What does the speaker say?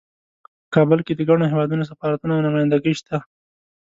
په کابل کې د ګڼو هیوادونو سفارتونه او نمایندګۍ شته